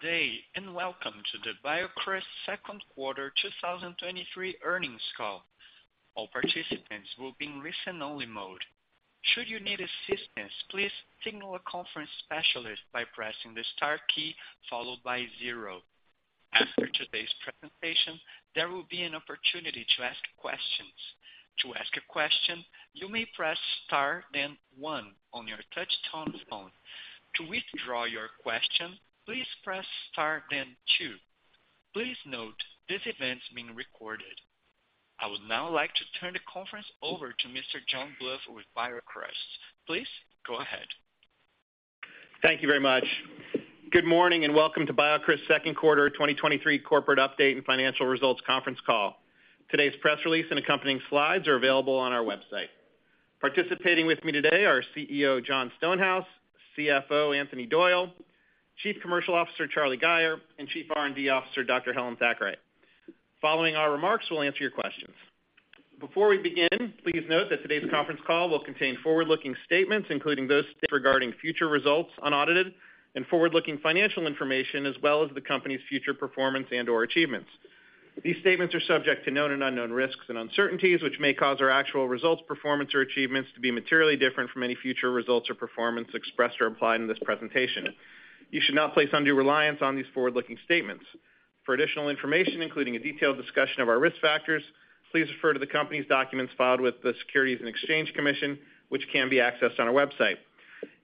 Good day, and welcome to the BioCryst Q2 2023 Earnings Call. All participants will be in listen-only mode. Should you need assistance, please signal a conference specialist by pressing the star key followed by 0. After today's presentation, there will be an opportunity to ask questions. To ask a question, you may press Star, then 1 on your touch-tone phone. To withdraw your question, please press Star, then 2. Please note, this event is being recorded. I would now like to turn the conference over to Mr. John Bluth with BioCryst. Please go ahead. Thank you very much. Good morning, and welcome to BioCryst's Q2 2023 corporate update and financial results conference call. Today's press release and accompanying slides are available on our website. Participating with me today are CEO, Jon Stonehouse, CFO, Anthony Doyle, Chief Commercial Officer, Charlie Gayer, and Chief R&D Officer, Dr. Helen Thackray. Following our remarks, we'll answer your questions. Before we begin, please note that today's conference call will contain forward-looking statements, including those regarding future results, unaudited and forward-looking financial information, as well as the company's future performance and/or achievements. These statements are subject to known and unknown risks and uncertainties, which may cause our actual results, performance, or achievements to be materially different from any future results or performance expressed or implied in this presentation. You should not place undue reliance on these forward-looking statements. For additional information, including a detailed discussion of our risk factors, please refer to the company's documents filed with the Securities and Exchange Commission, which can be accessed on our website.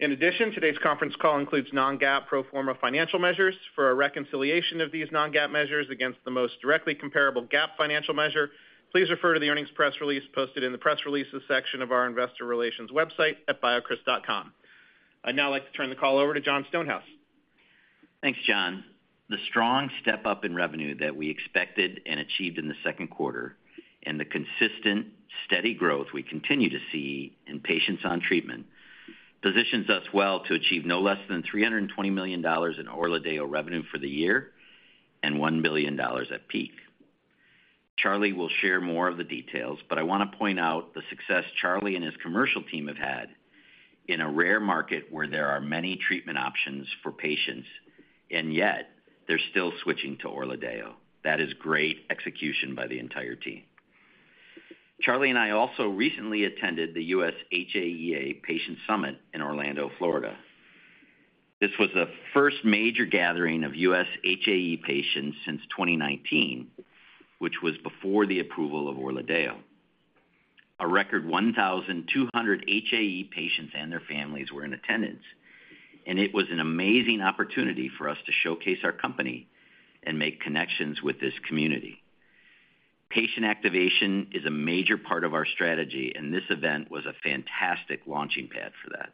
In addition, today's conference call includes non-GAAP pro forma financial measures. For a reconciliation of these non-GAAP measures against the most directly comparable GAAP financial measure, please refer to the earnings press release posted in the Press Releases section of our investor relations website at biocryst.com. I'd now like to turn the call over to Jon Stonehouse. Thanks, John. The strong step-up in revenue that we expected and achieved in the Q2, and the consistent, steady growth we continue to see in patients on treatment, positions us well to achieve no less than $320 million in ORLADEYO revenue for the year and $1 billion at peak. Charlie will share more of the details, but I want to point out the success Charlie and his commercial team have had in a rare market where there are many treatment options for patients, and yet they're still switching to ORLADEYO. That is great execution by the entire team. Charlie and I also recently attended the U.S. HAEA Patient Summit in Orlando, Florida. This was the first major gathering of U.S. HAE patients since 2019, which was before the approval of ORLADEYO. A record 1,200 HAE patients and their families were in attendance, and it was an amazing opportunity for us to showcase our company and make connections with this community. Patient activation is a major part of our strategy, and this event was a fantastic launching pad for that.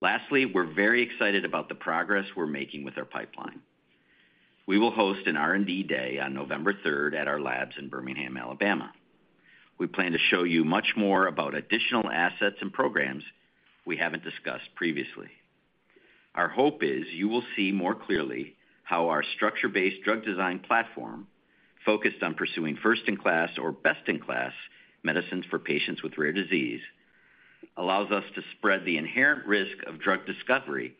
Lastly, we're very excited about the progress we're making with our pipeline. We will host an R&D day on November 3 at our labs in Birmingham, Alabama. We plan to show you much more about additional assets and programs we haven't discussed previously. Our hope is you will see more clearly how our structure-based drug design platform, focused on pursuing first-in-class or best-in-class medicines for patients with rare disease, allows us to spread the inherent risk of drug discovery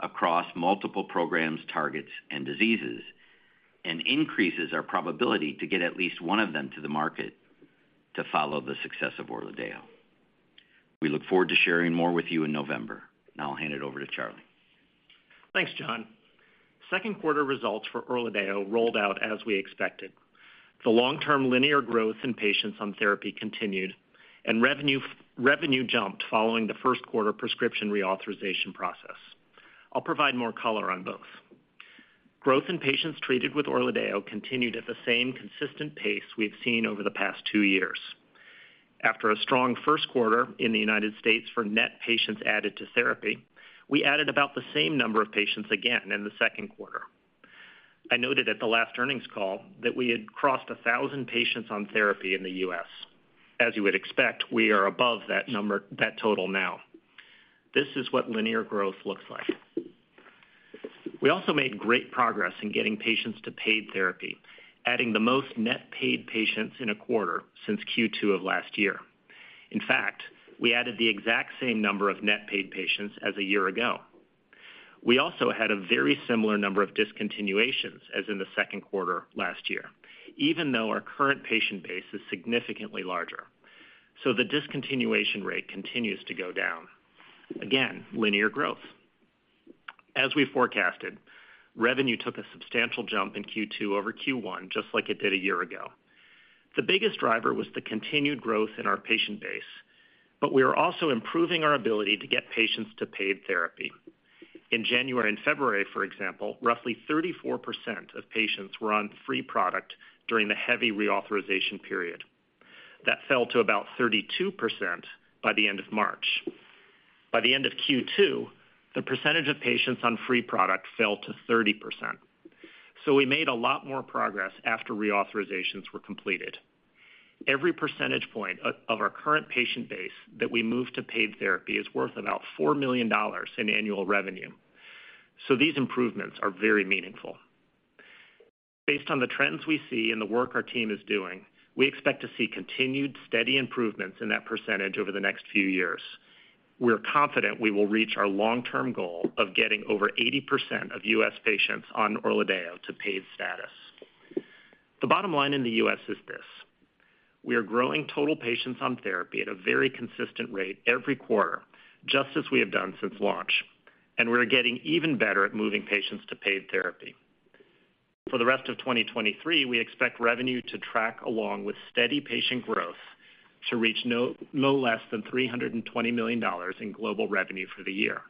across multiple programs, targets, and diseases, and increases our probability to get at least one of them to the market to follow the success of ORLADEYO. We look forward to sharing more with you in November. Now I'll hand it over to Charlie. Thanks, Jon. Q2 results for ORLADEYO rolled out as we expected. Revenue jumped following the Q1 prescription reauthorization process. I'll provide more color on both. Growth in patients treated with ORLADEYO continued at the same consistent pace we've seen over the past two years. After a strong Q1 in the United States for net patients added to therapy, we added about the same number of patients again in the Q2. I noted at the last earnings call that we had crossed 1,000 patients on therapy in the U.S. As you would expect, we are above that total now. This is what linear growth looks like. We also made great progress in getting patients to paid therapy, adding the most net paid patients in a quarter since Q2 of last year. In fact, we added the exact same number of net paid patients as a year ago. We also had a very similar number of discontinuations as in the Q2 last year, even though our current patient base is significantly larger. The discontinuation rate continues to go down. Again, linear growth. As we forecasted, revenue took a substantial jump in Q2 over Q1, just like it did a year ago. The biggest driver was the continued growth in our patient base, but we are also improving our ability to get patients to paid therapy. In January and February, for example, roughly 34% of patients were on free product during the heavy reauthorization period. That fell to about 32% by the end of March. By the end of Q2, the percentage of patients on free product fell to 30%. We made a lot more progress after reauthorizations were completed. Every percentage point of our current patient base that we move to paid therapy is worth about $4 million in annual revenue. These improvements are very meaningful. Based on the trends we see and the work our team is doing, we expect to see continued steady improvements in that percentage over the next few years. We're confident we will reach our long-term goal of getting over 80% of U.S. patients on ORLADEYO to paid status. The bottom line in the U.S. is this: We are growing total patients on therapy at a very consistent rate every quarter, just as we have done since launch, and we are getting even better at moving patients to paid therapy. For the rest of 2023, we expect revenue to track along with steady patient growth to reach no less than $320 million in global revenue for the year.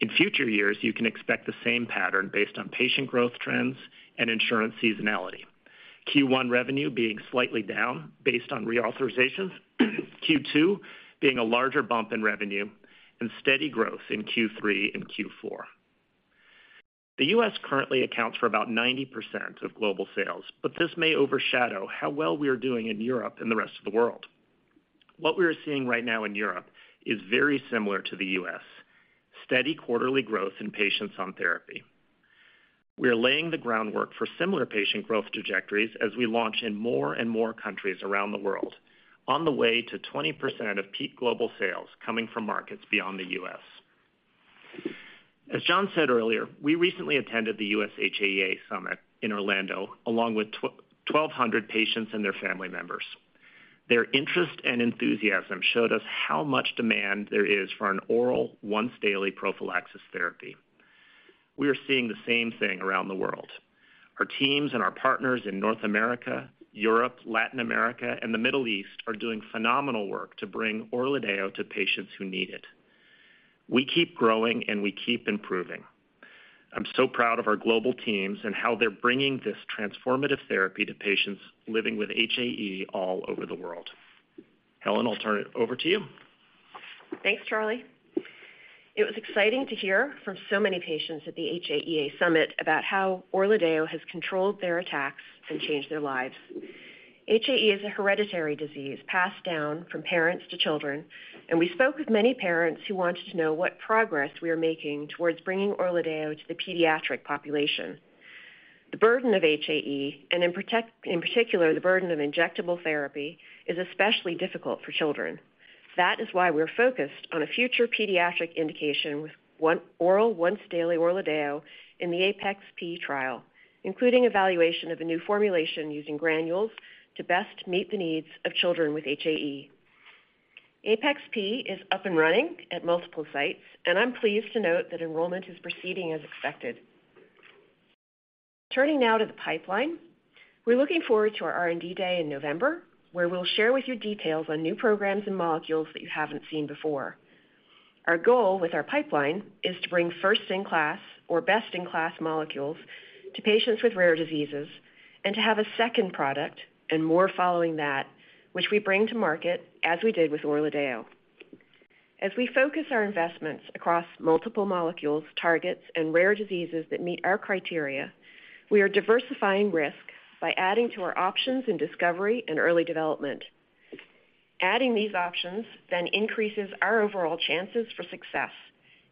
In future years, you can expect the same pattern based on patient growth trends and insurance seasonality. Q1 revenue being slightly down based on reauthorizations, Q2 being a larger bump in revenue, and steady growth in Q3 and Q4. The U.S. currently accounts for about 90% of global sales, but this may overshadow how well we are doing in Europe and the rest of the world. What we are seeing right now in Europe is very similar to the U.S.: steady quarterly growth in patients on therapy. We are laying the groundwork for similar patient growth trajectories as we launch in more and more countries around the world, on the way to 20% of peak global sales coming from markets beyond the U.S. As John said earlier, we recently attended the US HAE Summit in Orlando, along with 1,200 patients and their family members. Their interest and enthusiasm showed us how much demand there is for an oral, once-daily prophylaxis therapy. We are seeing the same thing around the world. Our teams and our partners in North America, Europe, Latin America, and the Middle East are doing phenomenal work to bring ORLADEYO to patients who need it. We keep growing, we keep improving. I'm so proud of our global teams and how they're bringing this transformative therapy to patients living with HAE all over the world. Helen, I'll turn it over to you. Thanks, Charlie. It was exciting to hear from so many patients at the HAE Summit about how ORLADEYO has controlled their attacks and changed their lives. HAE is a hereditary disease passed down from parents to children, and we spoke with many parents who wanted to know what progress we are making towards bringing ORLADEYO to the pediatric population. The burden of HAE, and in particular, the burden of injectable therapy, is especially difficult for children. That is why we're focused on a future pediatric indication with oral once-daily ORLADEYO in the APeX-P trial, including evaluation of a new formulation using granules to best meet the needs of children with HAE. APeX-P is up and running at multiple sites, and I'm pleased to note that enrollment is proceeding as expected. Turning now to the pipeline, we're looking forward to our R&D Day in November, where we'll share with you details on new programs and molecules that you haven't seen before. Our goal with our pipeline is to bring first-in-class or best-in-class molecules to patients with rare diseases and to have a second product, and more following that, which we bring to market as we did with ORLADEYO. As we focus our investments across multiple molecules, targets, and rare diseases that meet our criteria, we are diversifying risk by adding to our options in discovery and early development. Adding these options increases our overall chances for success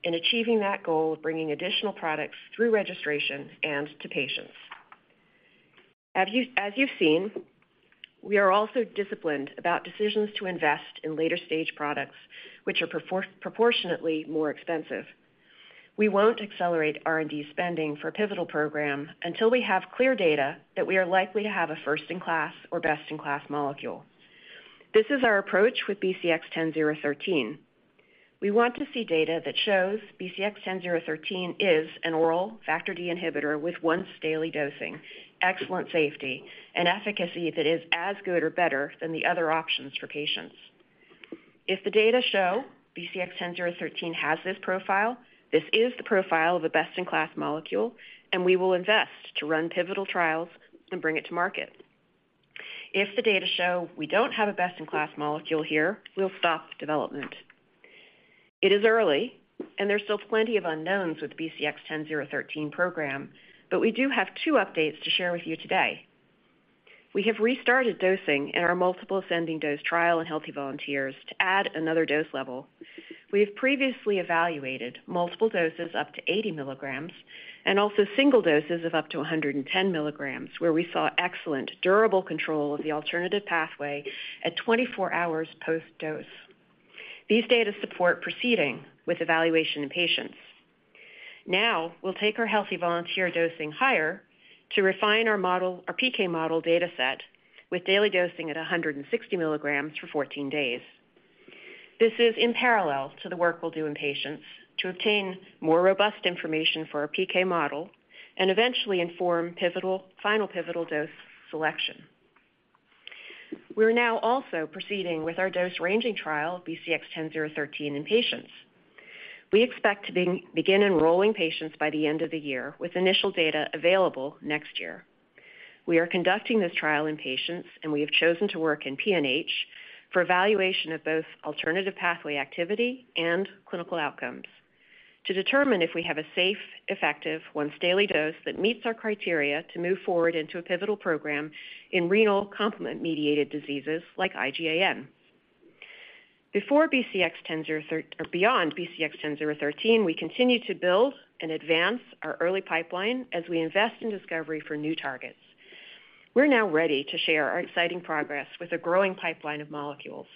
in achieving that goal of bringing additional products through registration and to patients. As you, as you've seen, we are also disciplined about decisions to invest in later-stage products, which are proportionately more expensive. We won't accelerate R&D spending for a pivotal program until we have clear data that we are likely to have a first-in-class or best-in-class molecule. This is our approach with BCX10013. We want to see data that shows BCX10013 is an oral Factor D inhibitor with once-daily dosing, excellent safety, and efficacy that is as good or better than the other options for patients. If the data show BCX10013 has this profile, this is the profile of a best-in-class molecule, and we will invest to run pivotal trials and bring it to market. If the data show we don't have a best-in-class molecule here, we'll stop development. It is early, and there's still plenty of unknowns with the BCX10013 program. We do have two updates to share with you today. We have restarted dosing in our multiple ascending dose trial in healthy volunteers to add another dose level. We have previously evaluated multiple doses up to 80 milligrams and also single doses of up to 110 milligrams, where we saw excellent durable control of the alternative pathway at 24 hours post-dose. These data support proceeding with evaluation in patients. We'll take our healthy volunteer dosing higher to refine our model, our PK model data set, with daily dosing at 160 milligrams for 14 days. This is in parallel to the work we'll do in patients to obtain more robust information for our PK model and eventually inform final pivotal dose selection. We're now also proceeding with our dose-ranging trial, BCX10013, in patients. We expect to begin enrolling patients by the end of the year, with initial data available next year. We are conducting this trial in patients, and we have chosen to work in PNH for evaluation of both alternative pathway activity and clinical outcomes to determine if we have a safe, effective, once-daily dose that meets our criteria to move forward into a pivotal program in renal complement-mediated diseases like IgAN. Before BCX100 or beyond BCX10013, we continued to build and advance our early pipeline as we invest in discovery for new targets. We're now ready to share our exciting progress with a growing pipeline of molecules,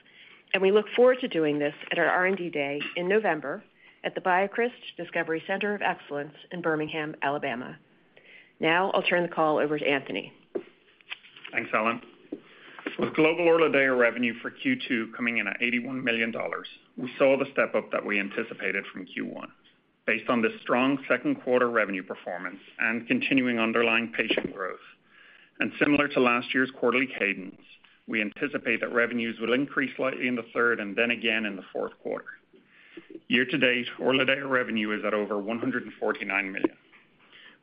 we look forward to doing this at our R&D Day in November at the BioCryst Discovery Center of Excellence in Birmingham, Alabama. Now I'll turn the call over to Anthony. Thanks, Helen. With global ORLADEYO revenue for Q2 coming in at $81 million, we saw the step-up that we anticipated from Q1. Based on this strong Q2 revenue performance and continuing underlying patient growth, similar to last year's quarterly cadence, we anticipate that revenues will increase slightly in the third and then again in the Q4. Year-to-date, ORLADEYO revenue is at over $149 million.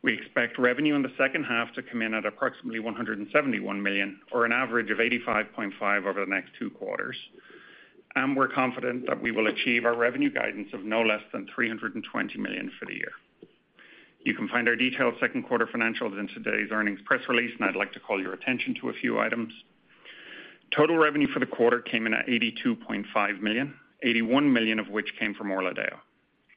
We expect revenue in the second half to come in at approximately $171 million, or an average of $85.5 over the next two quarters. We're confident that we will achieve our revenue guidance of no less than $320 million for the year. You can find our detailed Q2 financials in today's earnings press release, and I'd like to call your attention to a few items. Total revenue for the quarter came in at $82.5 million, $81 million of which came from ORLADEYO.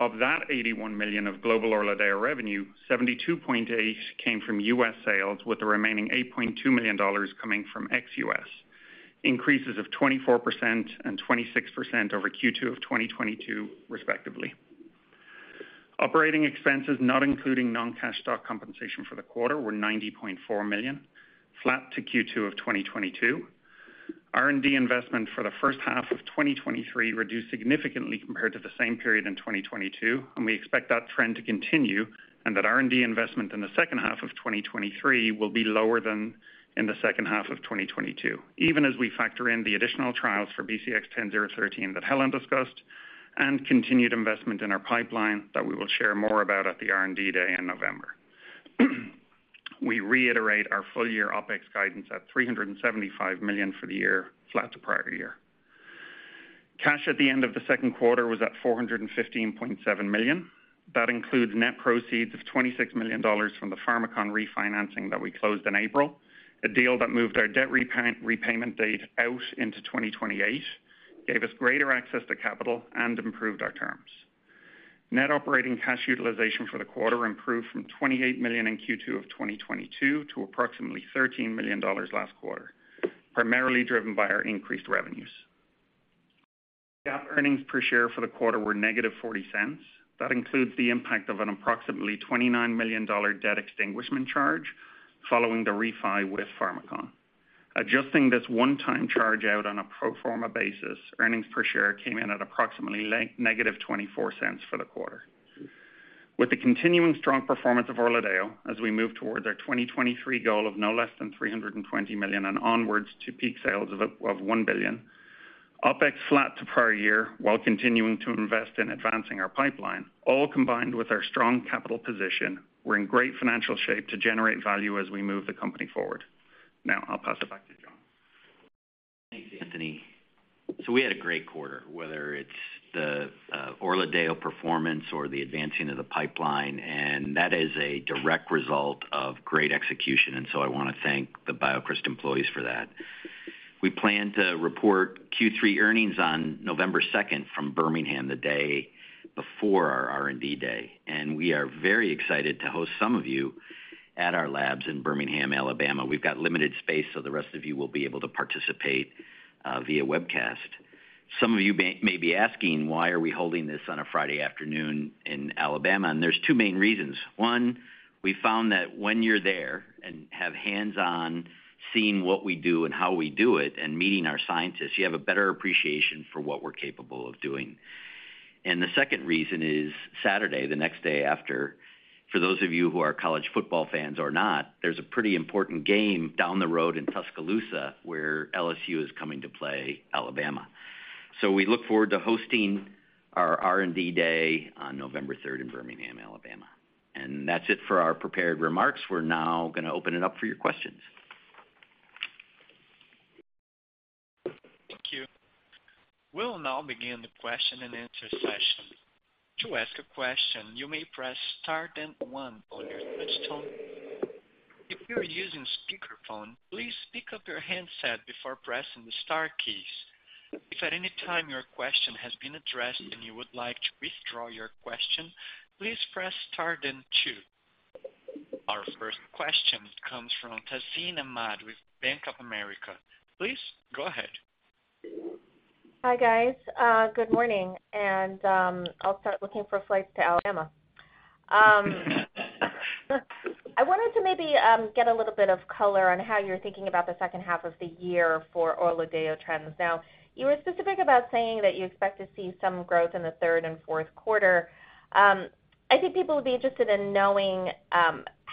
Of that $81 million of global ORLADEYO revenue, $72.8 million came from U.S. sales, with the remaining $8.2 million coming from ex-U.S., increases of 24% and 26% over Q2 of 2022, respectively. Operating expenses, not including non-cash stock compensation for the quarter, were $90.4 million, flat to Q2 of 2022. R&D investment for the first half of 2023 reduced significantly compared to the same period in 2022, and we expect that trend to continue and that R&D investment in the second half of 2023 will be lower than in the second half of 2022, even as we factor in the additional trials for BCX10013 that Helen discussed and continued investment in our pipeline that we will share more about at the R&D Day in November. We reiterate our full-year OpEx guidance at $375 million for the year, flat to prior year. Cash at the end of the Q2 was at $415.7 million. That includes net proceeds of $26 million from the Pharmakon refinancing that we closed in April, a deal that moved our debt repayment, repayment date out into 2028, gave us greater access to capital and improved our terms. Net operating cash utilization for the quarter improved from $28 million in Q2 of 2022 to approximately $13 million last quarter, primarily driven by our increased revenues. GAAP earnings per share for the quarter were -$0.40. That includes the impact of an approximately $29 million debt extinguishment charge following the refi with Pharmakon. Adjusting this one-time charge out on a pro forma basis, earnings per share came in at approximately -$0.24 for the quarter. With the continuing strong performance of ORLADEYO as we move towards our 2023 goal of no less than $320 million and onwards to peak sales of, of $1 billion, OpEx flat to prior year, while continuing to invest in advancing our pipeline, all combined with our strong capital position, we're in great financial shape to generate value as we move the company forward. Now I'll pass it back to Jon. Thanks, Anthony. We had a great quarter, whether it's the ORLADEYO performance or the advancing of the pipeline. That is a direct result of great execution, so I want to thank the BioCryst employees for that. We plan to report Q3 earnings on November second from Birmingham, the day before our R&D Day. We are very excited to host some of you at our labs in Birmingham, Alabama. We've got limited space, so the rest of you will be able to participate via webcast. Some of you may, may be asking, why are we holding this on a Friday afternoon in Alabama? There's two main reasons. One, we found that when you're there and have hands-on, seeing what we do and how we do it and meeting our scientists, you have a better appreciation for what we're capable of doing. The second reason is Saturday, the next day after, for those of you who are college football fans or not, there's a pretty important game down the road in Tuscaloosa, where LSU is coming to play Alabama. We look forward to hosting our R&D Day on November 3 in Birmingham, Alabama. That's it for our prepared remarks. We're now going to open it up for your questions. Thank you. We will now begin the question-and-answer session. To ask a question, you may press Star then 1 on your touch tone. If you are using speakerphone, please pick up your handset before pressing the star keys. If at any time your question has been addressed and you would like to withdraw your question, please press Star then 2. Our first question comes from Tazeen Ahmad with Bank of America. Please go ahead. Hi, guys, good morning, and I'll start looking for flights to Alabama. I wanted to maybe get a little bit of color on how you're thinking about the second half of the year for ORLADEYO trends. Now, you were specific about saying that you expect to see some growth in the third and Q4. I think people would be interested in knowing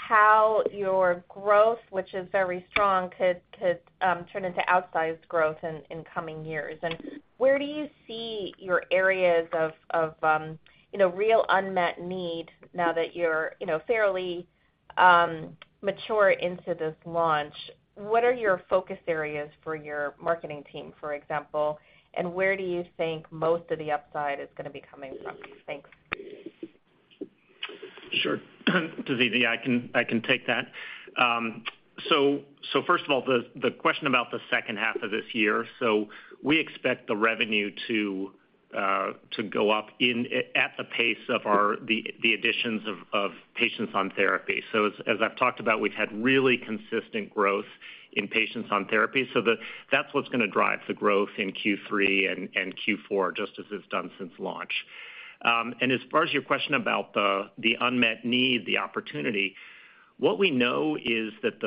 how your growth, which is very strong, could, could, turn into outsized growth in, in coming years. And where do you see your areas of, of, you know, real unmet need now that you're, you know, fairly, mature into this launch? What are your focus areas for your marketing team, for example, and where do you think most of the upside is going to be coming from? Thanks. Sure. Tazeen, yeah, I can, I can take that. First of all, the question about the second half of this year. We expect the revenue to go up at the pace of the additions of patients on therapy. As I've talked about, we've had really consistent growth in patients on therapy. That's what's gonna drive the growth in Q3 and Q4, just as it's done since launch. As far as your question about the unmet need, the opportunity, what we know is that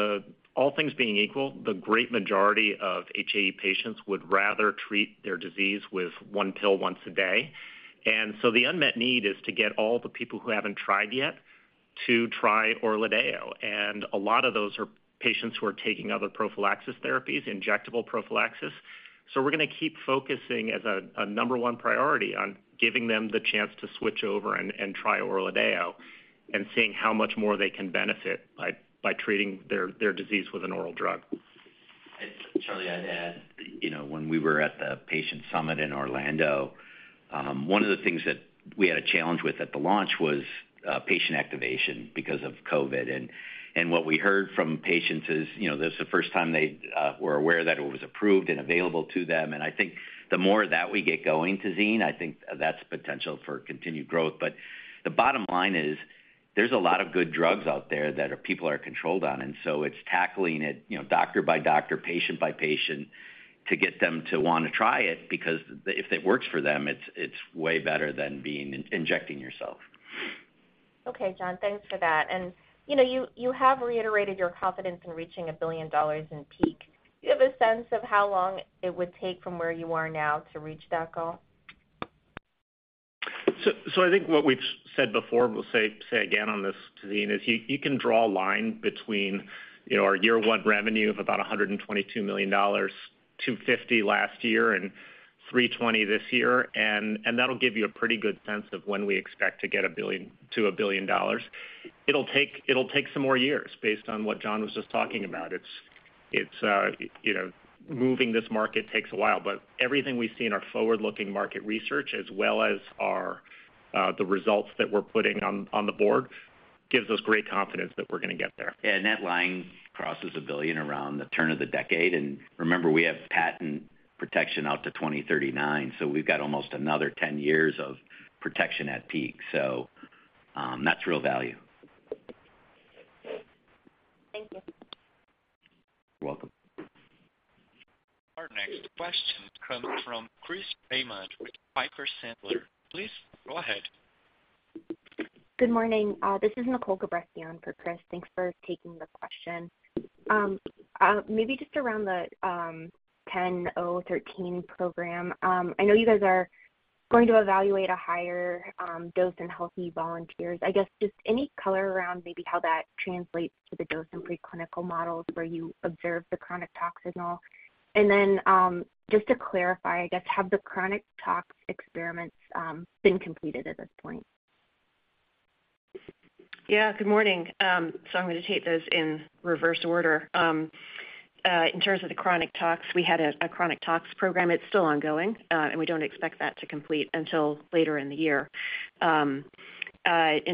all things being equal, the great majority of HAE patients would rather treat their disease with one pill once a day. The unmet need is to get all the people who haven't tried yet to try ORLADEYO, and a lot of those are patients who are taking other prophylaxis therapies, injectable prophylaxis. We're gonna keep focusing as a number one priority on giving them the chance to switch over and try ORLADEYO and seeing how much more they can benefit by treating their disease with an oral drug. Charlie, I'd add, you know, when we were at the patient summit in Orlando, one of the things that we had a challenge with at the launch was, patient activation because of COVID. What we heard from patients is, you know, this is the first time they were aware that it was approved and available to them. I think the more that we get going, Tazeen, I think that's potential for continued growth. The bottom line is, there's a lot of good drugs out there that people are controlled on, and so it's tackling it, you know, doctor by doctor, patient by patient, to get them to wanna try it, because the, if it works for them, it's, it's way better than being injecting yourself. Okay, Jon, thanks for that. You know, you, you have reiterated your confidence in reaching $1 billion in peak. Do you have a sense of how long it would take from where you are now to reach that goal? I think what we've said before, we'll say again on this, Tazeen, is you can draw a line between, you know, our year one revenue of about $122 million, $250 million last year, and $320 million this year, that'll give you a pretty good sense of when we expect to get to $1 billion. It'll take some more years based on what John was just talking about. It's, you know, moving this market takes a while, but everything we see in our forward-looking market research, as well as our, the results that we're putting on, on the board, gives us great confidence that we're gonna get there. Yeah, that line crosses $1 billion around the turn of the decade. Remember, we have patent protection out to 2039, so we've got almost another 10 years of protection at peak. That's real value. Thank you. You're welcome. Our next question comes from Chris Raymond with Piper Sandler. Please go ahead. Good morning. This is Nicole Gabreski on for Chris. Thanks for taking the question. Maybe just around the 10013 program. I know you guys are going to evaluate a higher dose in healthy volunteers. I guess just any color around maybe how that translates to the dose in preclinical models where you observe the chronic tox signal. Just to clarify, I guess, have the chronic tox experiments been completed at this point? Yeah, good morning. I'm gonna take those in reverse order. In terms of the chronic tox, we had a chronic tox program. It's still ongoing, we don't expect that to complete until later in the year. In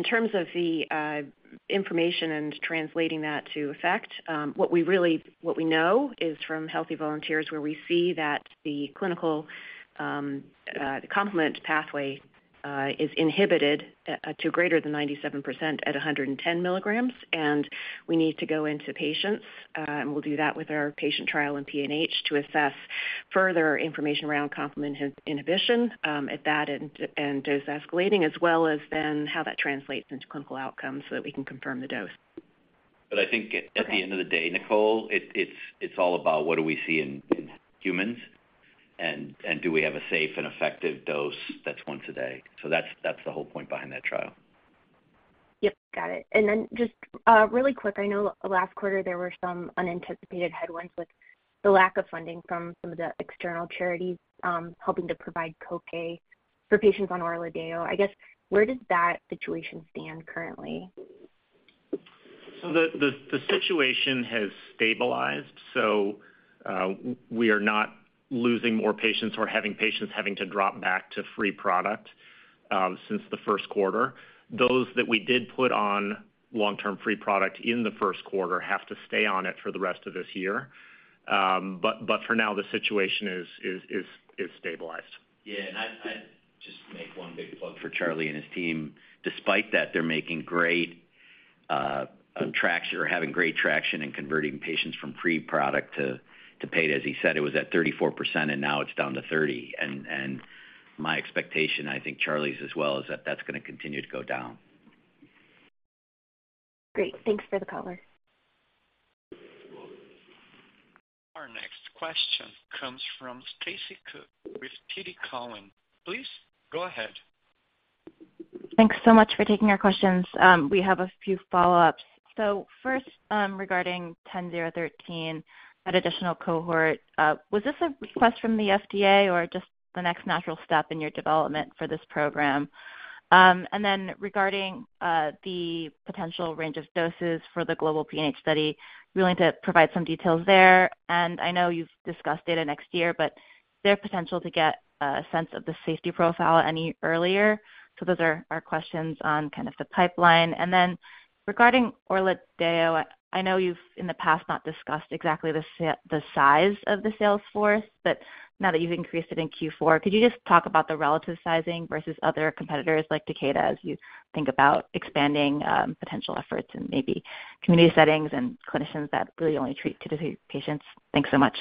terms of the information and translating that to effect, what we know is from healthy volunteers, where we see that the clinical, the complement pathway, is inhibited to greater than 97% at 110 milligrams, and we need to go into patients, and we'll do that with our patient trial in PNH to assess further information around complement inhibition at that and dose escalating, as well as then how that translates into clinical outcomes so that we can confirm the dose. I think at the end of the day, Nicole, it's all about what do we see in humans, and do we have a safe and effective dose that's once a day? That's the whole point behind that trial. Yep, got it. Then just, really quick, I know last quarter there were some unanticipated headwinds with the lack of funding from some of the external charities, helping to provide co-pay for patients on ORLADEYO. I guess, where does that situation stand currently? The, the, the situation has stabilized, so we are not losing more patients or having patients having to drop back to free product since the Q1. Those that we did put on long-term free product in the Q1 have to stay on it for the rest of this year. But, but for now, the situation is, is, is, is stabilized. Yeah, I'd just make one big plug for Charlie and his team. Despite that, they're making great traction or having great traction in converting patients from free product to, to paid. As he said, it was at 34%, and now it's down to 30. My expectation, I think Charlie's as well, is that that's gonna continue to go down. Great. Thanks for the color. Our next question comes from Stacy Ku with TD Cowen. Please go ahead. Thanks so much for taking our questions. We have a few follow-ups. First, regarding 10013, that additional cohort, was this a request from the FDA or just the next natural step in your development for this program? Regarding the potential range of doses for the global PNH study. Willing to provide some details there? I know you've discussed data next year, but is there potential to get a sense of the safety profile any earlier? Those are our questions on kind of the pipeline. Regarding ORLADEYO, I know you've, in the past, not discussed exactly the size of the sales force, but now that you've increased it in Q4, could you just talk about the relative sizing versus other competitors like Takeda, as you think about expanding potential efforts and maybe community settings and clinicians that really only treat two to three patients? Thanks so much.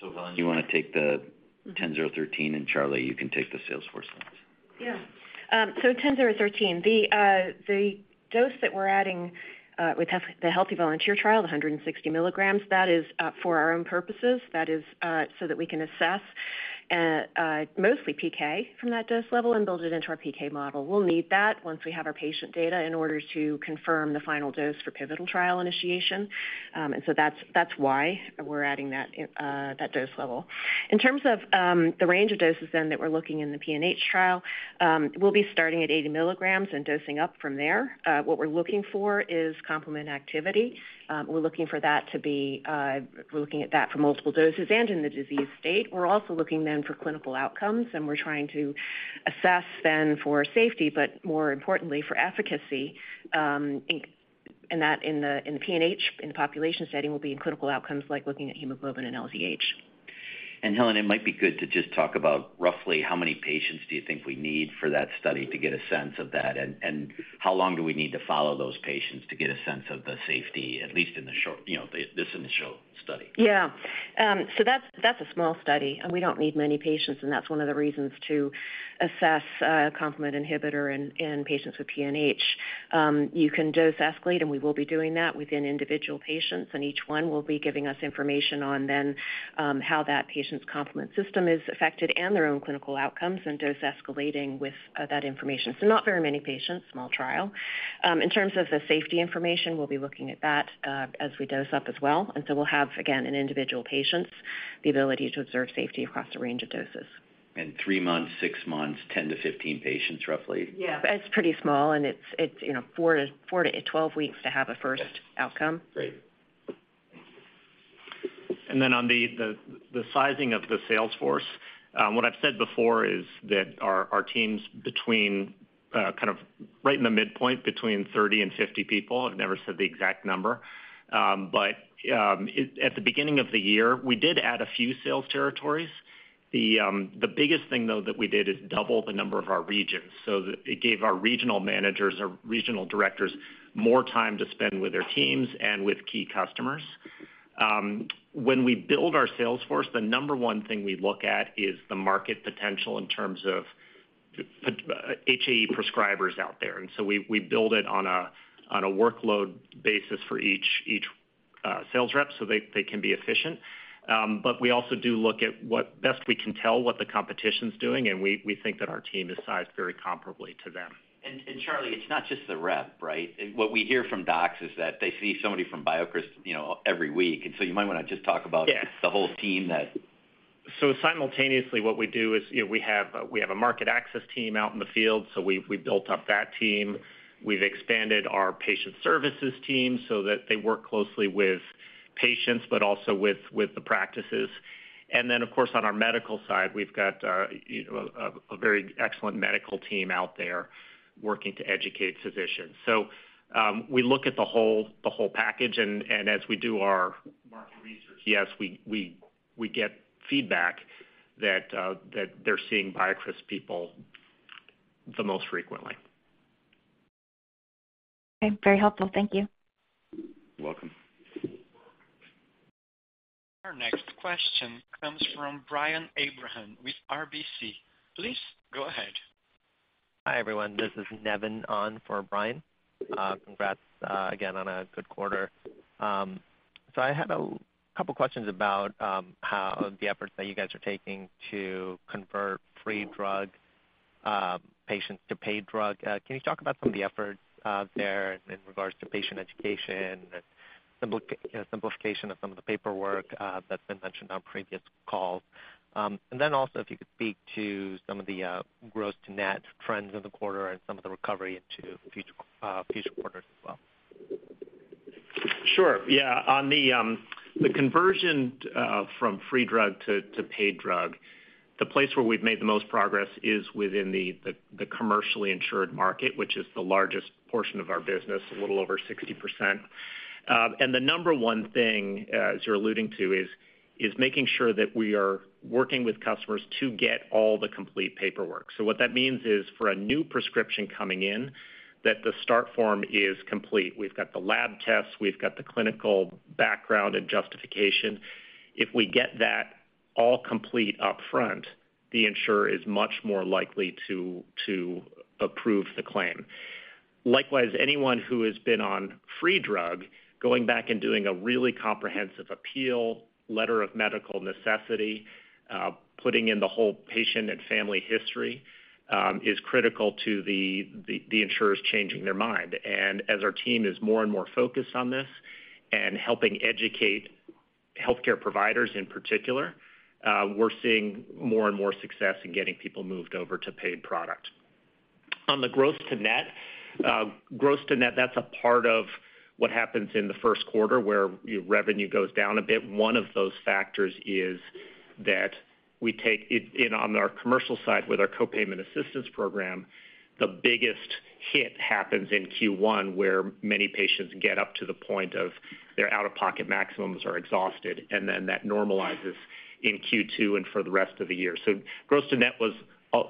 Helen, do you want to take the BCX10013, and Charlie, you can take the sales force one. Yeah. 10013. The dose that we're adding with the healthy volunteer trial, the 160 milligrams, that is for our own purposes. That is so that we can assess mostly PK from that dose level and build it into our PK model. We'll need that once we have our patient data in order to confirm the final dose for pivotal trial initiation. That's, that's why we're adding that dose level. In terms of the range of doses then that we're looking in the PNH trial, we'll be starting at 80 milligrams and dosing up from there. What we're looking for is complement activity. We're looking for that to be, we're looking at that for multiple doses and in the disease state. We're also looking then for clinical outcomes, and we're trying to assess then for safety, but more importantly, for efficacy, and that in the, in the PNH, in the population setting, will be in clinical outcomes, like looking at hemoglobin and LDH. Helen, it might be good to just talk about roughly how many patients do you think we need for that study to get a sense of that? How long do we need to follow those patients to get a sense of the safety, at least in the short, you know, this initial study? Yeah. That's, that's a small study, and we don't need many patients, and that's 1 of the reasons to assess complement inhibitor in patients with PNH. You can dose escalate, and we will be doing that within individual patients, and each 1 will be giving us information on then, how that patient's complement system is affected and their own clinical outcomes, and dose escalating with that information. Not very many patients, small trial. In terms of the safety information, we'll be looking at that as we dose up as well. We'll have, again, in individual patients, the ability to observe safety across a range of doses. Three months, six months, 10-15 patients, roughly? Yeah, it's pretty small, it's, it's, you know, 4 to, 4 to 12 weeks to have a first- Yes outcome. Great. Then on the, the, the sizing of the sales force, what I've said before is that our, our team's between, kind of right in the midpoint between 30 and 50 people. I've never said the exact number. But, at the beginning of the year, we did add a few sales territories. The biggest thing, though, that we did is double the number of our regions, so that it gave our regional managers or regional directors more time to spend with their teams and with key customers. When we build our sales force, the number one thing we look at is the market potential in terms of HAE prescribers out there. So we, we build it on a, on a workload basis for each, each, sales rep, so they, they can be efficient. We also do look at what best we can tell, what the competition's doing, and we, we think that our team is sized very comparably to them. Charlie, it's not just the rep, right? What we hear from docs is that they see somebody from BioCryst, you know, every week. So you might want to just talk about- Yeah the whole team that-- Simultaneously, what we do is, you know, we have, we have a market access team out in the field, so we've, we've built up that team. We've expanded our patient services team so that they work closely with patients, but also with, with the practices. Then, of course, on our medical side, we've got, you know, a very excellent medical team out there working to educate physicians. We look at the whole, the whole package, and as we do our market research, yes, we get feedback that they're seeing BioCryst people the most frequently. Okay, very helpful. Thank you. You're welcome. Our next question comes from Brian Abrahams with RBC. Please go ahead. Hi, everyone. This is Nevin on for Brian. Congrats again, on a good quarter. I had a couple questions about how the efforts that you guys are taking to convert free drug patients to paid drug. Can you talk about some of the efforts there in regards to patient education and simplification of some of the paperwork that's been mentioned on previous calls? Then also, if you could speak to some of the gross-to-net trends in the quarter and some of the recovery into future future quarters as well. Sure. Yeah. On the conversion from free drug to paid drug, the place where we've made the most progress is within the commercially insured market, which is the largest portion of our business, a little over 60%. The number 1 thing, as you're alluding to, is making sure that we are working with customers to get all the complete paperwork. What that means is, for a new prescription coming in, that the start form is complete. We've got the lab tests, we've got the clinical background and justification. If we get that all complete upfront, the insurer is much more likely to approve the claim. Likewise, anyone who has been on free drug, going back and doing a really comprehensive appeal, letter of medical necessity, putting in the whole patient and family history, is critical to the, the, the insurers changing their mind. As our team is more and more focused on this and helping educate, healthcare providers in particular, we're seeing more and more success in getting people moved over to paid product. On the gross-to-net, gross-to-net, that's a part of what happens in the Q1, where your revenue goes down a bit. One of those factors is that we take it in on our commercial side with our co-payment assistance program, the biggest hit happens in Q1, where many patients get up to the point of their out-of-pocket maximums are exhausted, and then that normalizes in Q2 and for the rest of the year. Gross to net was,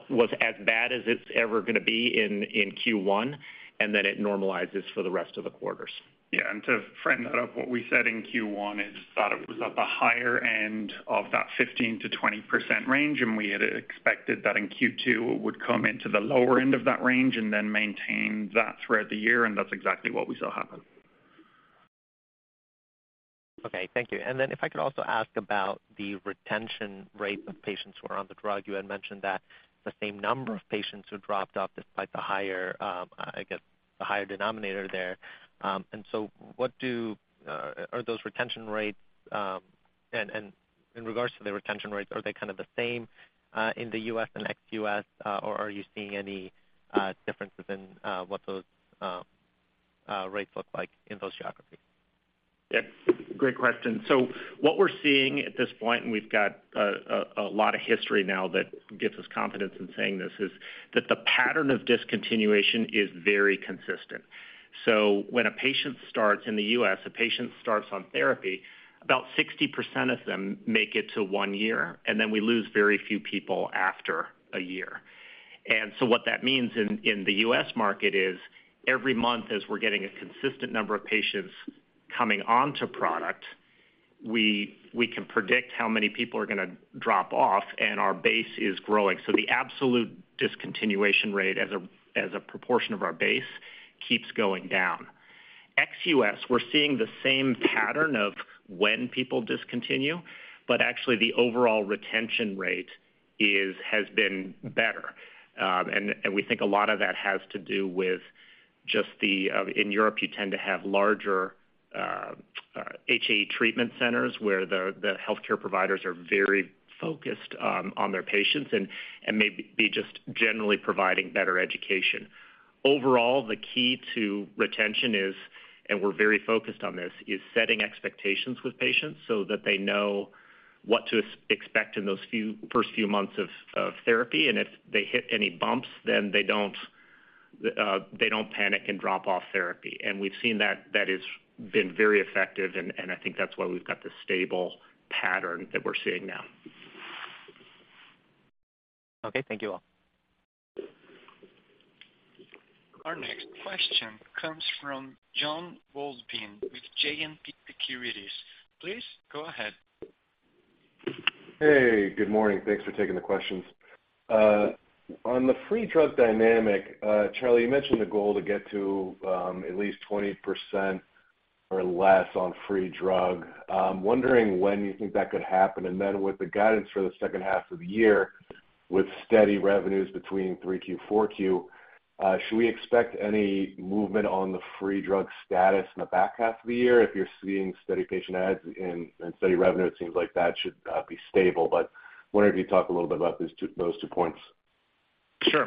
was as bad as it's ever gonna be in, in Q1, and then it normalizes for the rest of the quarters. Yeah, to friend that up, what we said in Q1 is that it was at the higher end of that 15%-20% range. We had expected that in Q2, it would come into the lower end of that range and then maintain that throughout the year. That's exactly what we saw happen. Okay, thank you. Then if I could also ask about the retention rate of patients who are on the drug. You had mentioned that the same number of patients who dropped off, despite the higher, I guess, the higher denominator there. So what do -- are those retention rates. In regards to the retention rates, are they kind of the same in the US and ex-US, or are you seeing any differences in what those rates look like in those geographies? Yeah, great question. What we're seeing at this point, and we've got a lot of history now that gives us confidence in saying this, is that the pattern of discontinuation is very consistent. When a patient starts in the U.S., a patient starts on therapy, about 60% of them make it to 1 year, and then we lose very few people after a year. What that means in, in the U.S. market is every month, as we're getting a consistent number of patients coming onto product, we, we can predict how many people are gonna drop off, and our base is growing. The absolute discontinuation rate as a proportion of our base, keeps going down. Ex-U.S., we're seeing the same pattern of when people discontinue, but actually the overall retention rate has been better. We think a lot of that has to do with just the, in Europe, you tend to have larger HAE treatment centers, where the healthcare providers are very focused on their patients and may be just generally providing better education. Overall, the key to retention is, and we're very focused on this, is setting expectations with patients so that they know what to ex-expect in those first few months of therapy, and if they hit any bumps, then they don't panic and drop off therapy. We've seen that, that has been very effective, and I think that's why we've got this stable pattern that we're seeing now. Okay, thank you all. Our next question comes from Jon Wolleben with JMP Securities. Please go ahead. Hey, good morning. Thanks for taking the questions. On the free drug dynamic, Charlie, you mentioned the goal to get to at least 20% or less on free drug. Wondering when you think that could happen, with the guidance for the second half of the year, with steady revenues between Q3, Q4, should we expect any movement on the free drug status in the back half of the year? If you're seeing steady patient adds and, and steady revenue, it seems like that should be stable, but wondering if you could talk a little bit about those two, those two points. Sure.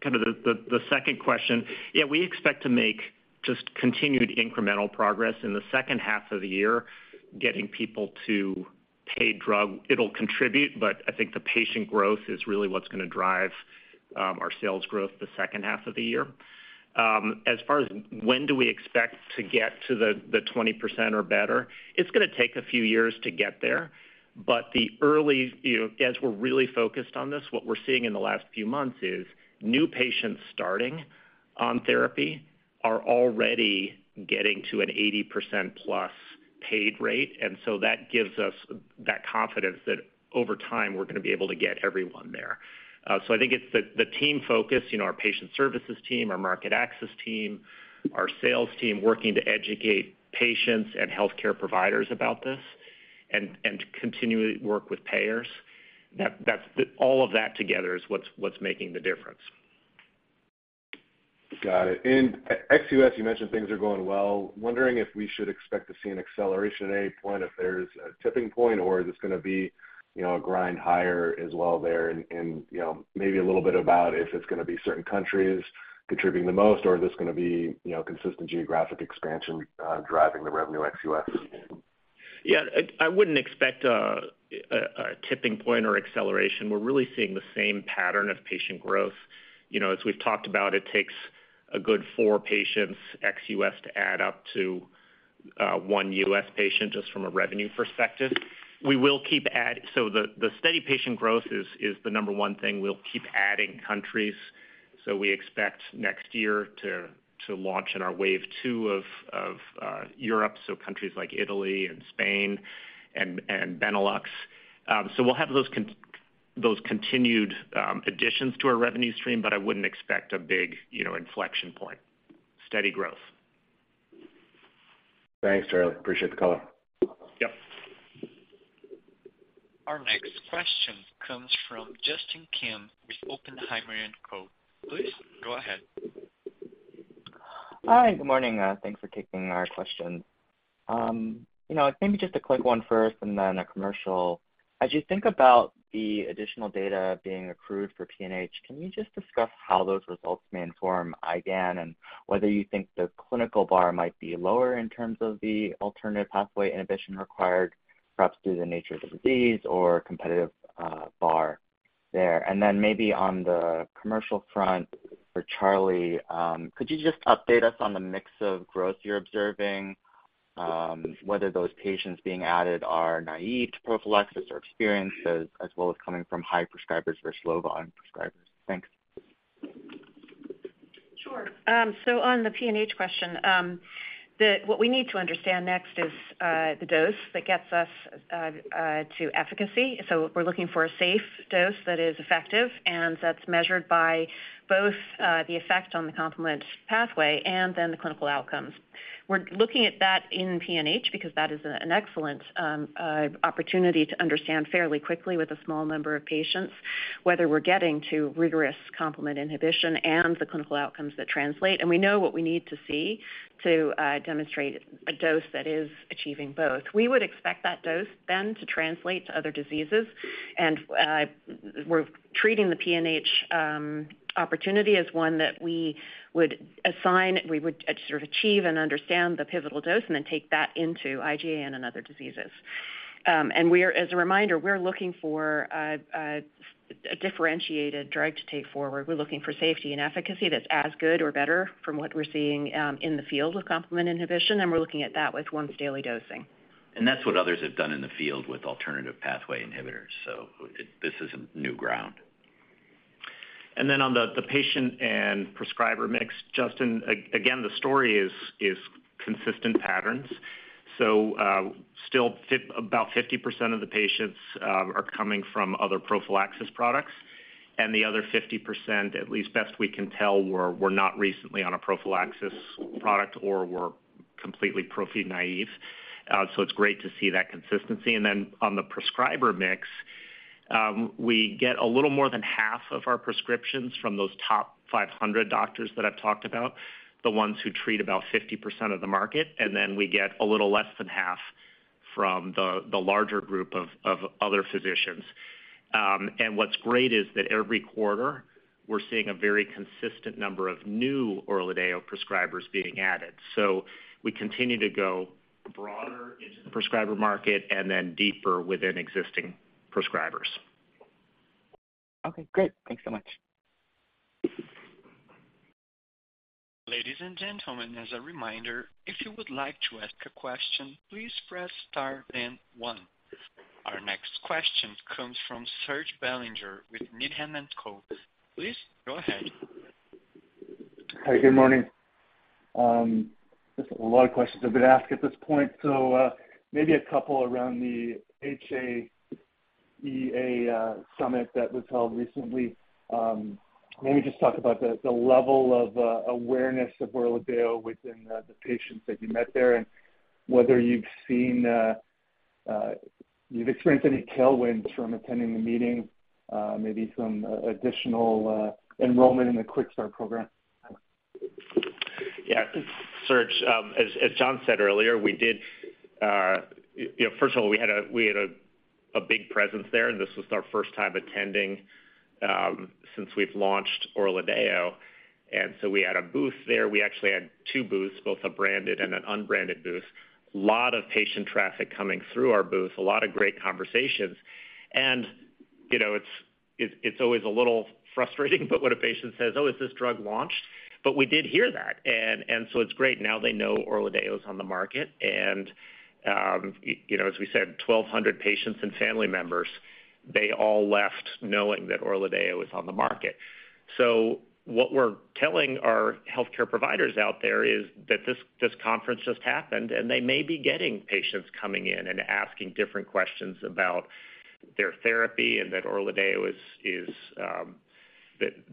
Kind of the, the, the second question. We expect to make just continued incremental progress in the second half of the year, getting people to paid drug. It'll contribute, but I think the patient growth is really what's gonna drive our sales growth the second half of the year. As far as when do we expect to get to the, the 20% or better, it's gonna take a few years to get there, but the early, you know, as we're really focused on this, what we're seeing in the last few months is new patients starting on therapy are already getting to an 80% plus paid rate. That gives us that confidence that over time, we're gonna be able to get everyone there. I think it's the, the team focus, you know, our patient services team, our market access team, our sales team, working to educate patients and healthcare providers about this and, and to continually work with payers. That, that's- all of that together is what's, what's making the difference. Got it. Ex-US, you mentioned things are going well. Wondering if we should expect to see an acceleration at any point, if there's a tipping point, or is this gonna be, you know, a grind higher as well there? You know, maybe a little bit about if it's gonna be certain countries contributing the most, or is this gonna be, you know, consistent geographic expansion, driving the revenue ex-US? Yeah. I, I wouldn't expect a tipping point or acceleration. We're really seeing the same pattern of patient growth. You know, as we've talked about, it takes a good 4 patients, ex-US, to add up to 1 US patient just from a revenue perspective. We will keep so the steady patient growth is the number 1 thing. We'll keep adding countries, so we expect next year to launch in our wave two of Europe, so countries like Italy and Spain and Benelux. We'll have those those continued additions to our revenue stream, but I wouldn't expect a big, you know, inflection point. Steady growth. Thanks, Charlie. Appreciate the call. Our next question comes from Justin Kim with Oppenheimer & Co. Please go ahead. Hi, good morning. Thanks for taking our question. You know, maybe just a quick one first, and then a commercial. As you think about the additional data being accrued for PNH, can you just discuss how those results may inform IgAN and whether you think the clinical bar might be lower in terms of the alternative pathway inhibition required, perhaps due to the nature of the disease or competitive bar there? Maybe on the commercial front for Charlie, could you just update us on the mix of growth you're observing, whether those patients being added are naive to prophylaxis or experienced, as, as well as coming from high prescribers versus low volume prescribers? Thanks. Sure. On the PNH question, what we need to understand next is the dose that gets us to efficacy. We're looking for a safe dose that is effective, and that's measured by both the effect on the complement pathway and then the clinical outcomes. We're looking at that in PNH because that is an excellent opportunity to understand fairly quickly with a small number of patients, whether we're getting to rigorous complement inhibition and the clinical outcomes that translate. We know what we need to see to demonstrate a dose that is achieving both. We would expect that dose then to translate to other diseases, and we're treating the PNH opportunity as one that we would assign, we would sort of achieve and understand the pivotal dose, and then take that into IgAN and other diseases. We are, as a reminder, we're looking for a differentiated drug to take forward. We're looking for safety and efficacy that's as good or better from what we're seeing in the field with complement inhibition, and we're looking at that with once-daily dosing. That's what others have done in the field with alternative pathway inhibitors, so this isn't new ground. On the patient and prescriber mix, Justin, again, the story is consistent patterns. Still about 50% of the patients are coming from other prophylaxis products, and the other 50%, at least best we can tell, were not recently on a prophylaxis product or were completely prophy-naive. It's great to see that consistency. On the prescriber mix, we get a little more than half of our prescriptions from those top 500 doctors that I've talked about, the ones who treat about 50% of the market, and then we get a little less than half from the larger group of other physicians. What's great is that every quarter, we're seeing a very consistent number of new ORLADEYO prescribers being added. We continue to go broader into the prescriber market and then deeper within existing prescribers. Okay, great. Thanks so much. Ladies and gentlemen, as a reminder, if you would like to ask a question, please press star then 1. Our next question comes from Serge Belanger with Needham and Co. Please go ahead. Hi, good morning. Just a lot of questions have been asked at this point, so, maybe a couple around the HAEA summit that was held recently. Maybe just talk about the, the level of, awareness of ORLADEYO within, the patients that you met there, and whether you've seen, you've experienced any tailwinds from attending the meeting, maybe some, additional, enrollment in the QuickStart program? Yeah. Serge, as, as Jon said earlier, we did, you know, first of all, we had a, we had a, a big presence there. This was our first time attending, since we've launched ORLADEYO. We had a booth there. We actually had two booths, both a branded and an unbranded booth. A lot of patient traffic coming through our booth, a lot of great conversations. You know, it's, it's always a little frustrating, but when a patient says, "Oh, is this drug launched?" We did hear that, it's great. Now they know ORLADEYO is on the market. You know, as we said, 1,200 patients and family members, they all left knowing that ORLADEYO is on the market. What we're telling our healthcare providers out there is that this, this conference just happened, and they may be getting patients coming in and asking different questions about their therapy and that ORLADEYO is, is, that they,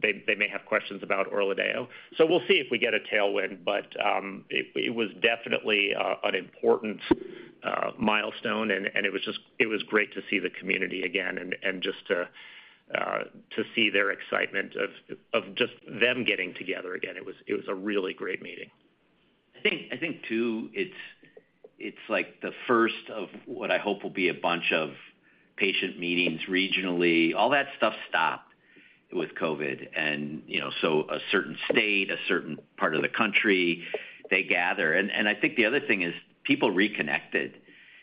they may have questions about ORLADEYO. We'll see if we get a tailwind, but, it, it was definitely an important milestone, and, it was just, it was great to see the community again and, just to see their excitement of, of just them getting together again. It was, it was a really great meeting. I think, I think, too, it's, it's like the first of what I hope will be a bunch of patient meetings regionally. All that stuff stopped with COVID, and, you know, so a certain state, a certain part of the country, they gather. I think the other thing is people reconnected.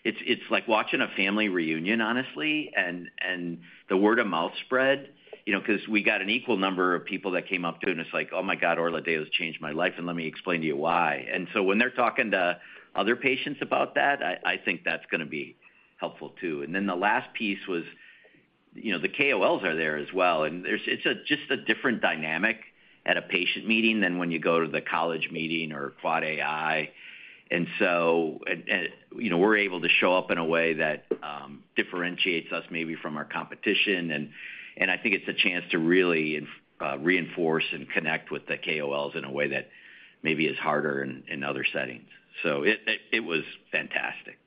It's, it's like watching a family reunion, honestly, and, and the word-of-mouth spread, you know, 'cause we got an equal number of people that came up to us and it's like, "Oh, my God, ORLADEYO has changed my life, and let me explain to you why." So when they're talking to other patients about that, I, I think that's gonna be helpful, too. The last piece was, you know, the KOLs are there as well, it's a just a different dynamic at a patient meeting than when you go to the college meeting or ACAAI. You know, we're able to show up in a way that differentiates us maybe from our competition. I think it's a chance to really reinforce and connect with the KOLs in a way that maybe is harder in other settings. It was fantastic.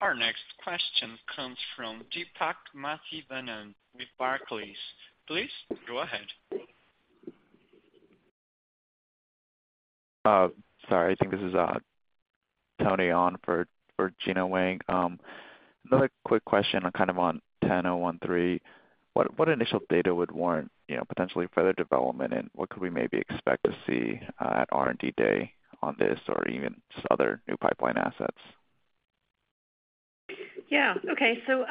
Our next question comes from Deepak Mathivanan with Barclays. Please go ahead. Sorry, I think this is Tony on for Gena Wang. Another quick question on kind of on BCX10013. What, what initial data would warrant, you know, potentially further development, and what could we maybe expect to see at R&D Day on this or even just other new pipeline assets? Yeah. Okay, so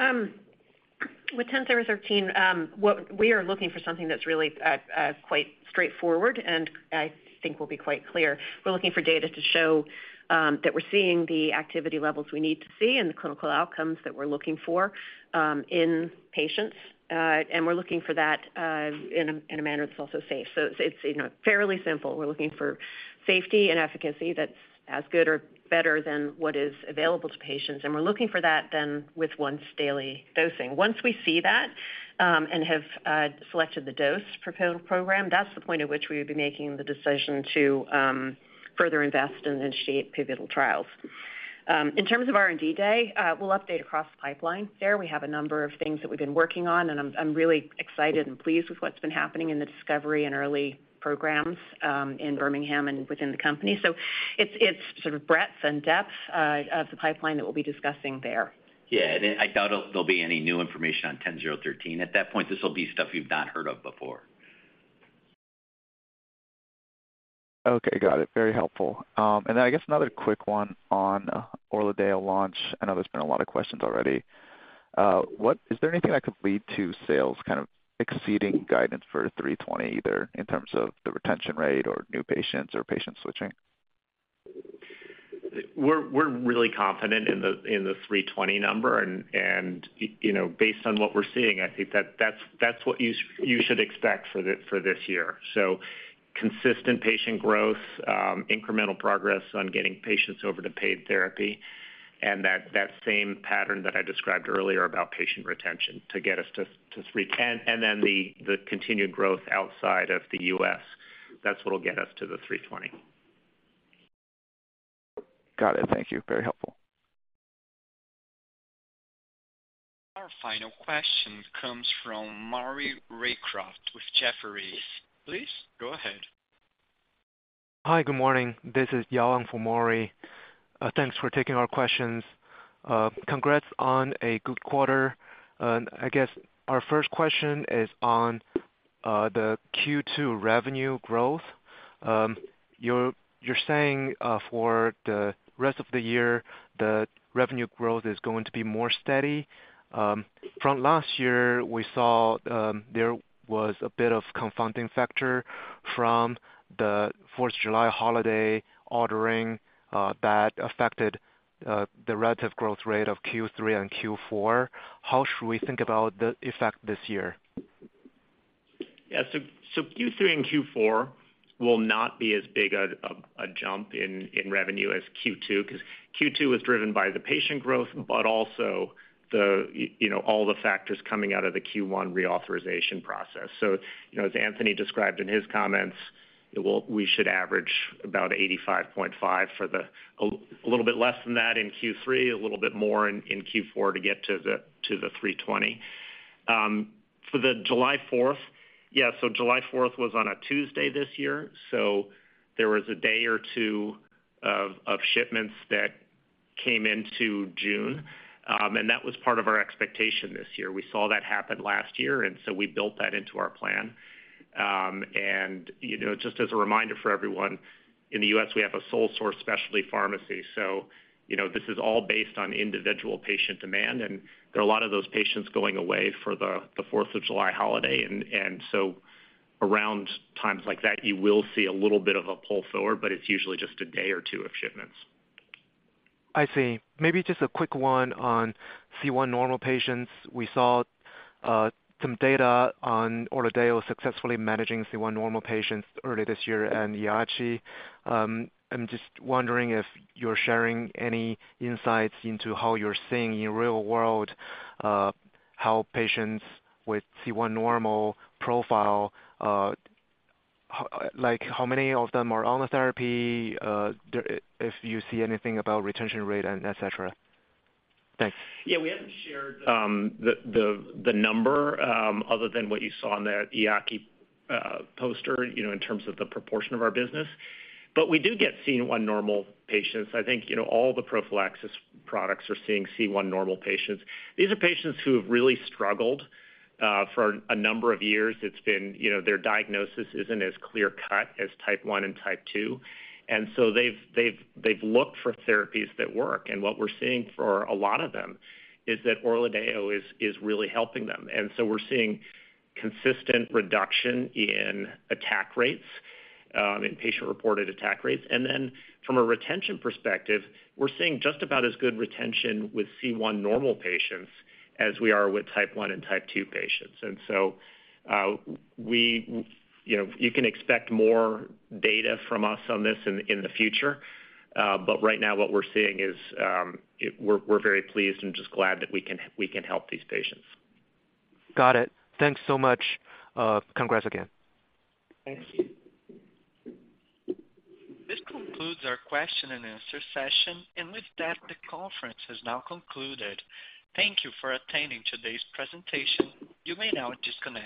with BCX10013, what we are looking for something that's really quite straightforward, and I think we'll be quite clear. We're looking for data to show that we're seeing the activity levels we need to see and the clinical outcomes that we're looking for in patients. We're looking for that in a manner that's also safe. It's, it's, you know, fairly simple. We're looking for safety and efficacy that's as good or better than what is available to patients, and we're looking for that then with once-daily dosing. Once we see that, and have selected the dose for program, that's the point at which we would be making the decision to further invest and initiate pivotal trials. In terms of R&D Day, we'll update across the pipeline. There we have a number of things that we've been working on, and I'm, I'm really excited and pleased with what's been happening in the discovery and early programs in Birmingham and within the company. It's, it's sort of breadth and depth of the pipeline that we'll be discussing there. Yeah. I doubt there'll be any new information on BCX10013. At that point, this will be stuff you've not heard of before. Okay, got it. Very helpful. I guess another quick one on ORLADEYO launch. I know there's been a lot of questions already. Is there anything that could lead to sales kind of exceeding guidance for 320, either in terms of the retention rate or new patients or patients switching? We're, we're really confident in the, in the 320 number, and, and, you know, based on what we're seeing, I think that's, that's what you should expect for the, for this year. Consistent patient growth, incremental progress on getting patients over to paid therapy, and that, that same pattern that I described earlier about patient retention to get us to 3. The continued growth outside of the U.S. That's what'll get us to the 320. Got it. Thank you. Very helpful. Our final question comes from Maury Raycroft with Jefferies. Please go ahead. Hi, good morning. This is Yawang for Maury. Thanks for taking our questions. Congrats on a good quarter. I guess our 1st question is on the Q2 revenue growth. You're saying for the rest of the year, the revenue growth is going to be more steady. From last year, we saw there was a bit of confounding factor from the 4th of July holiday ordering that affected the relative growth rate of Q3 and Q4. How should we think about the effect this year? Yeah. Q3 and Q4 will not be as big a jump in revenue as Q2, 'cause Q2 was driven by the patient growth, but also the, you know, all the factors coming out of the Q1 reauthorization process. You know, as Anthony described in his comments, we should average about $85.5 for the. A little bit less than that in Q3, a little bit more in Q4 to get to the $320. For the July 4th, yeah, July 4th was on a Tuesday this year, there was a day or two of shipments that came into June, that was part of our expectation this year. We saw that happen last year, we built that into our plan. You know, just as a reminder for everyone, in the U.S., we have a sole source specialty pharmacy, so, you know, this is all based on individual patient demand, and there are a lot of those patients going away for the 4th of July holiday. Around times like that, you will see a little bit of a pull forward, but it's usually just a day or two of shipments. I see. Maybe just a quick one on C1 normal patients. We saw some data on ORLADEYO successfully managing C1 normal patients earlier this year in EAACI. I'm just wondering if you're sharing any insights into how you're seeing in real world, how patients with C1 normal profile, like, how many of them are on the therapy, if you see anything about retention rate and et cetera? Thanks. Yeah, we haven't shared the number other than what you saw in the EAACI poster, you know, in terms of the proportion of our business. We do get C1 normal patients. I think, you know, all the prophylaxis products are seeing C1 normal patients. These are patients who have really struggled for a number of years. It's been, you know, their diagnosis isn't as clear-cut as type one and type two, so they've, they've, they've looked for therapies that work. What we're seeing for a lot of them is that ORLADEYO is, is really helping them. So we're seeing consistent reduction in attack rates in patient-reported attack rates. Then from a retention perspective, we're seeing just about as good retention with C1 normal patients as we are with type one and type two patients. We, you know, you can expect more data from us on this in, in the future, but right now what we're seeing is, We're, we're very pleased and just glad that we can we can help these patients. Got it. Thanks so much. Congrats again. Thank you. This concludes our question and answer session, and with that, the conference has now concluded. Thank you for attending today's presentation. You may now disconnect.